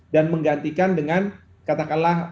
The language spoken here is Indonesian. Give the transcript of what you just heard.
dan menggantikan dengan katakanlah